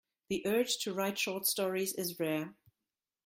The urge to write short stories is rare.